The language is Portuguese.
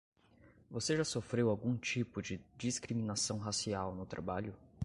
Você já sofreu algum tipo de discriminação racial no trabalho?